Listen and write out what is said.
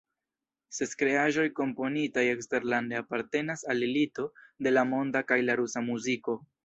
Ses kreaĵoj komponitaj eksterlande apartenas al elito de la monda kaj la rusa muziko.